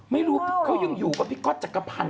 ไม่รู้เขายังอยู่กับพี่ก๊อตจักรพันธ